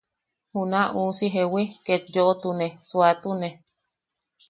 Juna uusi ¿jewi? ket yoʼotune, suatune.